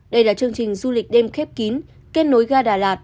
đây là chương trình du lịch đêm khép kín kết nối ga đà lạt